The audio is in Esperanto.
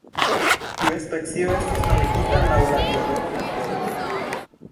Tiu specio estis nomigita laŭ la biologo Dro.